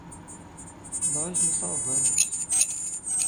Nós nos salvamos!